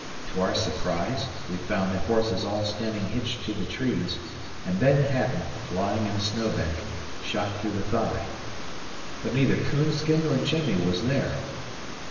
To our surprise we found the horses all standing hitched to the trees, and Ben Hatton lying in a snowbank, shot through the thigh. But neither "Coonskin" nor Jimmie was there.